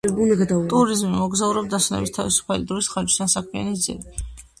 ტურიზმი-მოგზაურობ დასვენების თავისუფალი დროის ხარჯვის ან საქმიანი მიზებით